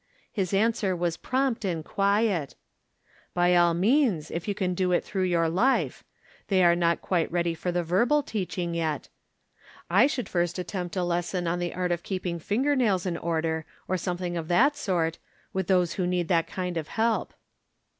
His answer was prompt and quiet :" By all means, if you can do it tlirough your life. They are not quite ready for the verbal teaching yet. I should first attempt a lesson on the art of keepiDg finger nails in order, or something of that sort, with those who need that kind of help."